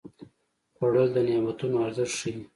خوړل د نعمتونو ارزښت ښيي